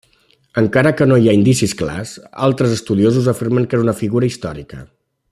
Encara que no n'hi ha indicis clars, altres estudiosos afirmen que era una figura històrica.